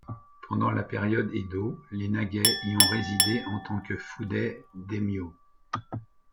Pendant la Période Edo, les Nagai y ont résidé en tant que Fudai-Daimyo.